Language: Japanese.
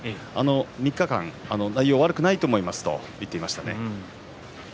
３日間、内容悪くないという話をしていました。